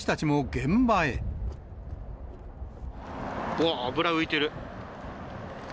うわー、油浮いてる。